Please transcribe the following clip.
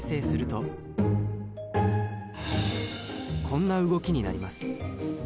こんな動きになります。